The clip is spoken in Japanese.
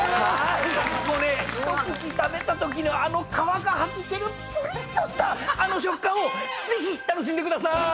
もうね一口食べたときのあの皮がはじけるぷりっとしたあの食感をぜひ楽しんでくださーい！